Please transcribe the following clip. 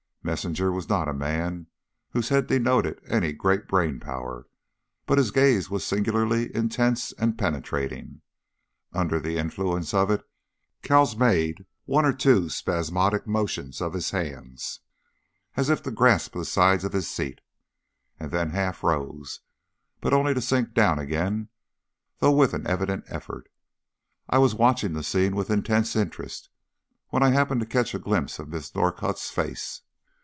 Messinger was not a man whose head denoted any great brain power, but his gaze was singularly intense and penetrating. Under the influence of it Cowles made one or two spasmodic motions of his hands, as if to grasp the sides of his seat, and then half rose, but only to sink down again, though with an evident effort. I was watching the scene with intense interest, when I happened to catch a glimpse of Miss Northcott's face.